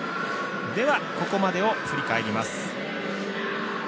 ここまでを振り返ります。